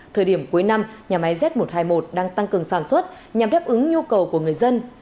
thời điểm cuối năm nhà máy z một trăm hai mươi một đang tăng cường sản xuất nhằm đáp ứng nhu cầu của người dân